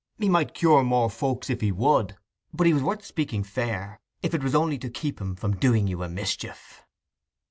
He might cure more folks if he would; but he was worth speaking fair, if it was only to keep him from doing you a mischief.